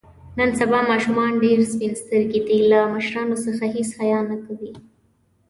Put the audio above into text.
نن سبا ماشومان ډېر سپین سترګي دي. له مشرانو څخه هېڅ حیا نه کوي.